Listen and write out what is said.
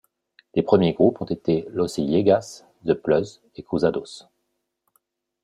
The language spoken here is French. Les premiers groupes ont été Los Illegals, The Plugz et Cruzados.